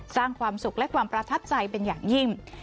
สร้างความสุขและความประทับใจเป็นอย่างยิ่ง